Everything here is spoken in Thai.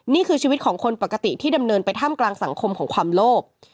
นี่คือชีวิตของคนปกติที่ดำเนินไปท่ามกลางสังคมของความโลภ